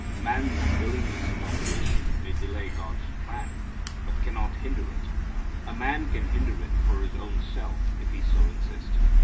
Man's unwillingness and opposition may delay God's plan, but cannot hinder it. A man can hinder it for his own self if he so insist.